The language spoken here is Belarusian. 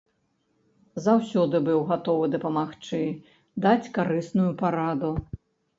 Заўсёды быў гатовы дапамагчы, даць карысную параду.